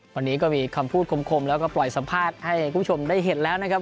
วันนี้ก็มีคำพูดคมแล้วก็ปล่อยสัมภาษณ์ให้คุณผู้ชมได้เห็นแล้วนะครับ